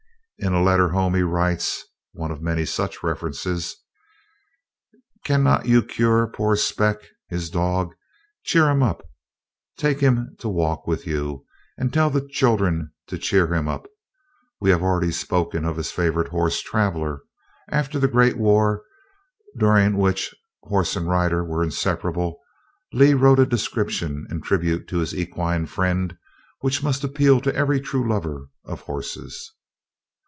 In a letter home he writes (one of many such references), "Cannot you cure poor Spec? (his dog). Cheer him up! Take him to walk with you tell the children to cheer him up." We have already spoken of his favorite horse, "Traveller." After the great War, during which horse and rider were inseparable, Lee wrote a description and tribute to his equine friend which must appeal to every true lover of horses.